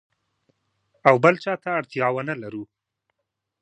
او بل چاته اړتیا ونه لرو.